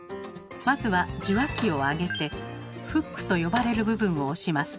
まずは受話器をあげてフックと呼ばれる部分を押します。